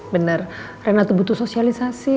bener rena tuh butuh sosialisasi